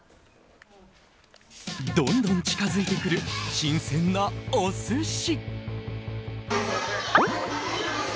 どんどん近づいてくる新鮮なお寿司！